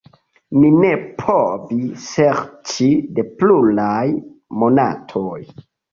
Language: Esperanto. Mi ne provi serĉi de pluraj monatoj.